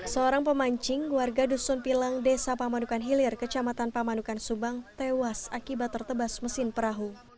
seorang pemancing warga dusun pilang desa pamanukan hilir kecamatan pamanukan subang tewas akibat tertebas mesin perahu